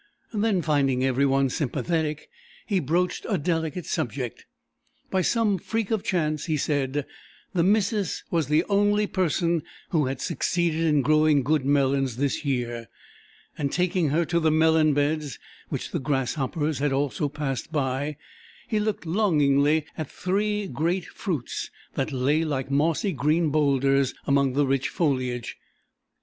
Then finding every one sympathetic, he broached a delicate subject. By some freak of chance, he said, the missus was the only person who had succeeded in growing good melons this year, and taking her to the melon beds, which the grasshoppers had also passed by, he looked longingly at three great fruits that lay like mossy green boulders among the rich foliage.